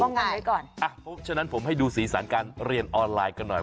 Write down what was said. เพราะฉะนั้นผมให้ดูสีสันการเรียนออนไลน์กันหน่อย